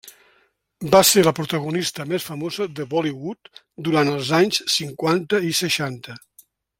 Va ser la protagonista més famosa de Bollywood durant els anys cinquanta i seixanta.